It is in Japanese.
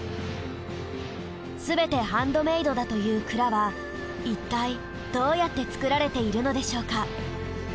すべてハンドメイドだという鞍はいったいどうやって作られているのでしょうか？